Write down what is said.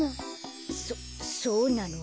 そそうなの？